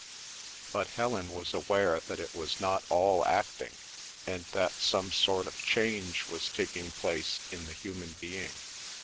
But Helen was aware that it was not all acting, and that some sort of change was taking place in the human being.